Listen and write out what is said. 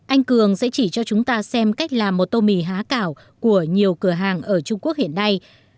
anh cường sẽ chỉ cho chúng ta xem cách làm một tô mì há cảo của nhiều cửa hàng ở trung quốc hiện nay